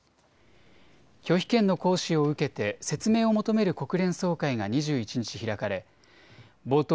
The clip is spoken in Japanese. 拒否権の行使を受けて説明を求める国連総会が２１日、開かれ冒頭